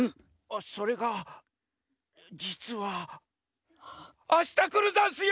それがじつはあしたくるざんすよ！